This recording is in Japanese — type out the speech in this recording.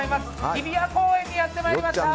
日比谷公園にやってまいりました。